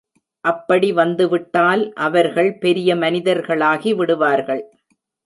அப்படி வந்துவிட்டால் அவர்கள் பெரிய மனிதர்களாகி விடுவார்கள்.